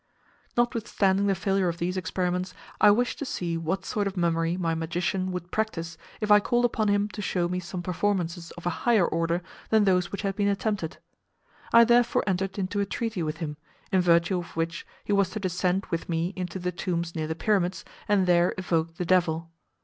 Notwithstanding the failure of these experiments, I wished to see what sort of mummery my magician would practise if I called upon him to show me some performances of a higher order than those which had been attempted. I therefore entered into a treaty with him, in virtue of which he was to descend with me into the tombs near the Pyramids, and there evoke the devil.